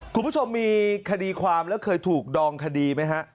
คุณผู้ชมมีคดีความแล้วเคยถูกดองคดีไหมฮะ